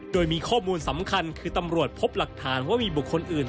โดยมีข้อมูลสำคัญคือตำรวจพบหลักฐานว่ามีบุคคลอื่น